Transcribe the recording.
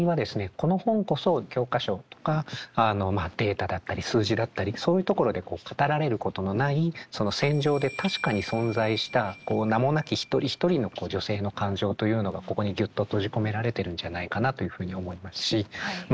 この本こそ教科書とかあのまあデータだったり数字だったりそういうところで語られることのない戦場で確かに存在した名もなき一人一人の女性の感情というのがここにギュッと閉じ込められてるんじゃないかなというふうに思いますしま